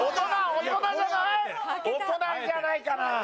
大人じゃないかな？